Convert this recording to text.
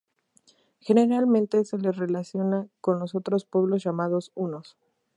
Generalmente se les relaciona con los otros pueblos llamados hunos.